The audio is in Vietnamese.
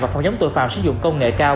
và phòng chống tội phạm sử dụng công nghệ cao